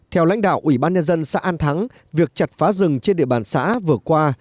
theo lãnh đạo ủy ban nhân dân xã an thắng việc chặt phá rừng trên địa bàn xã vừa qua